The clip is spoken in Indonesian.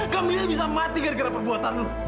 kamila bisa mati gara gara perbuatan lo